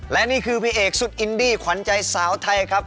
และนี่คือพี่เอกสุดอินดี้ขวัญใจสาวไทยครับ